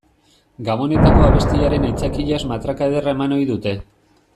Gabonetako abestiaren aitzakiaz matraka ederra eman ohi dute.